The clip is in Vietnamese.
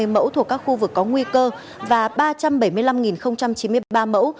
bốn trăm một mươi sáu ba trăm ba mươi mẫu thuộc các khu vực có nguy cơ và ba trăm bảy mươi năm chín mươi ba mẫu